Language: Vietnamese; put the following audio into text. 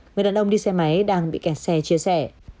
người đàn ông đi xe máy đang bị kẹt xe chia sẻ